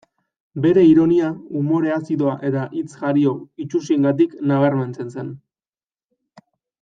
Bere ironia, umore azidoa eta hitz-jario itsusiengatik nabarmentzen zen.